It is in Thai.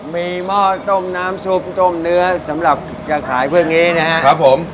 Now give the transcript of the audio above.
มีหม้อต้มน้ำซุปต้มเนื้อสำหรับจะขายพวกนี้นะครับผม